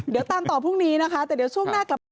เดี๋ยวตามต่อพรุ่งนี้นะคะแต่เดี๋ยวช่วงหน้ากลับมา